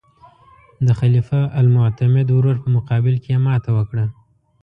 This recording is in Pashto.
د خلیفه المعتمد ورور په مقابل کې یې ماته وکړه.